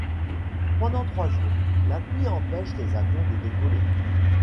Pendant trois jours, la pluie empêche les avions de décoller.